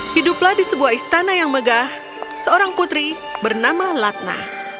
hiduplah di sebuah istana yang megah seorang putri bernama latna